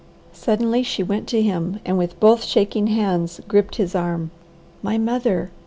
Suddenly she went to him and with both shaking hands gripped his arm. "My mother!"